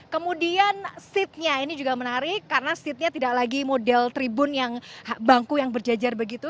kemudian seatnya ini juga menarik karena seatnya tidak lagi model tribun yang bangku yang berjajar begitu